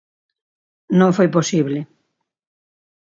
Non foi posible.